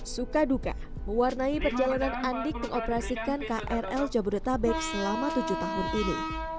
suka duka mewarnai perjalanan andik mengoperasikan krl jabodetabek selama tujuh tahun ini